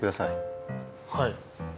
はい。